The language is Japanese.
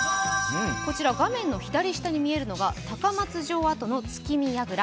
画面の左下に見えるのが高松城跡の月見やぐら